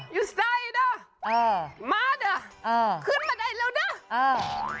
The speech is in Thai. ขึ้นมาได้เร็วนะ